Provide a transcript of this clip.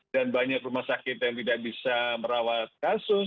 dan banyak rumah sakit yang tidak bisa merawat kasus